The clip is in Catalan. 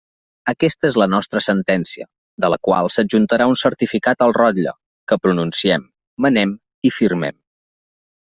Aquesta és la nostra sentència, de la qual s'adjuntarà un certificat al rotlle, que pronunciem, manem i firmem.